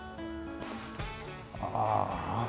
ああ。